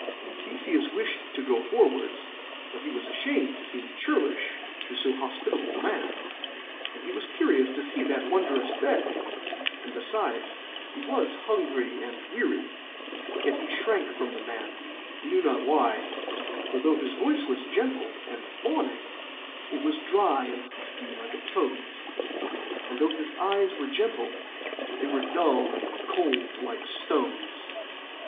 Theseus wished to go forwards: but he was ashamed to seem churlish to so hospitable a man; and he was curious to see that wondrous bed; and beside, he was hungry and weary: yet he shrank from the man, he knew not why; for, though his voice was gentle and fawning, it was dry and husky like a toad's; and though his eyes were gentle, they were dull and cold like stones.